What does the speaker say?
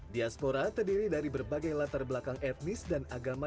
diaspora terdiri dari berbagai latar belakang etnis dan agama